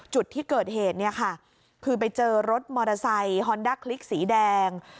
จุดที่เกิดเหตุเนี่ยค่ะคือไปเจอรถมอเตอร์ไซค์ฮอนด้าคลิกสีแดง